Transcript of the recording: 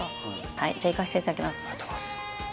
はいじゃあいかせていただきます